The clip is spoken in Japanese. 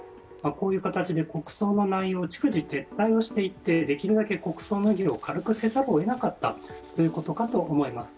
こういう形で国葬の内容を逐次撤退をしていって、なるべく国葬の儀を軽くせざるをえなかったということかと思います。